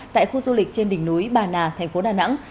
tại khu du lịch trên đỉnh núi bà nà thành phố đà nẵng